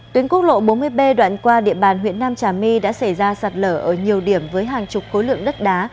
tuyến quốc lộ bốn mươi b đoạn qua địa bàn huyện nam trà my đã xảy ra sạt lở ở nhiều điểm với hàng chục khối lượng đất đá